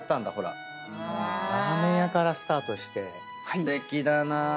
すてきだな。